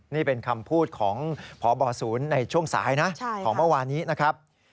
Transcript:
นี่เป็นคำพูดของพบศูนย์ในช่วงสายนะของเมื่อวานนี้นะครับ